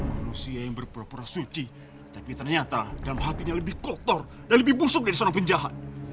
manusia yang berpura pura suci tapi ternyata dalam hatinya lebih kotor dan lebih busuk dari seorang penjahat